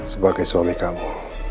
sebagai suami kamu